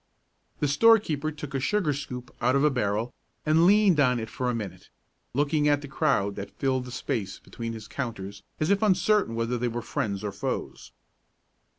The storekeeper took a sugar scoop out of a barrel and leaned on it for a minute, looking at the crowd that filled the space between his counters as if uncertain whether they were friends or foes.